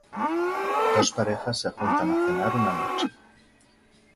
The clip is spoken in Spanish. Dos parejas se juntan a cenar una noche.